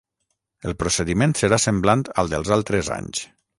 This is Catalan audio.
El procediment serà semblant al dels altres anys.